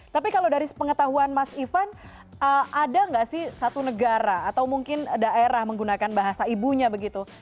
tapi kalau dari pengetahuan mas ivan ada nggak sih satu negara atau mungkin daerah menggunakan bahasa ibunya begitu